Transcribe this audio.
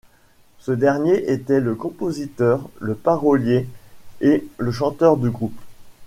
Ce dernier était le compositeur, le parolier et le chanteur du groupe.